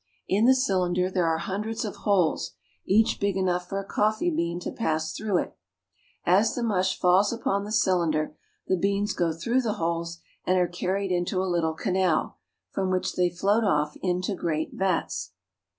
In the cylinder there are hundreds of holes, each big enough for a coffee bean to pass through it. As the mush falls upon " Most of them are Italians.'* the cylinder, the beans go through the holes and are car ried into a little canal, from which they float off into great vats.